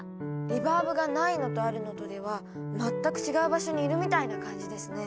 リバーブがないのとあるのとでは全く違う場所にいるみたいな感じですね。